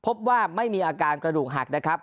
พบว่าไม่มีอาการกระดูกหักนะครับ